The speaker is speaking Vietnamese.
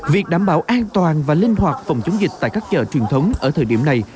việc đảm bảo an toàn và linh hoạt phòng chống dịch tại các chợ truyền thống ở thời điểm này